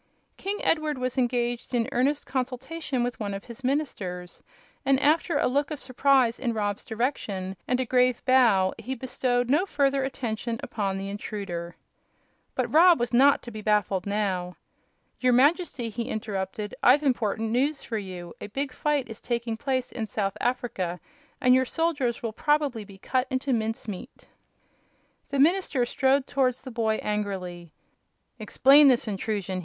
King Edward was engaged in earnest consultation with one of his ministers, and after a look of surprise in Rob's direction and a grave bow he bestowed no further attention upon the intruder. But Rob was not to be baffled now. "Your Majesty," he interrupted, "I've important news for you. A big fight is taking place in South Africa and your soldiers will probably be cut into mince meat." The minister strode towards the boy angrily. "Explain this intrusion!"